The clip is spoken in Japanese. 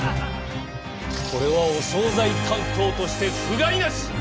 これはお総菜担当として不甲斐なし！